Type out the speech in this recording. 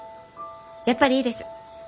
やっぱりいいです。